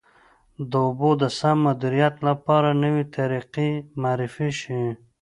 د اوبو د سم مدیریت لپاره نوې طریقې معرفي شي.